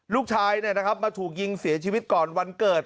ลูกชายเนี่ยนะครับมาถูกยิงเสียชีวิตก่อนวันเกิด